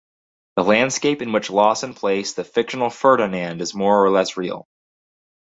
The landscape in which Lawson placed the fictional Ferdinand is more or less real.